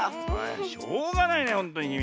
しょうがないねほんとにきみ。